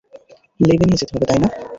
ল্যাবে নিয়ে যেতে হবে, তাই না?